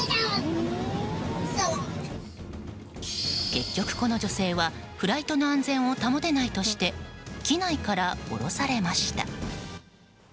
結局、この女性はフライトの安全を保てないとして機内から降ろされました。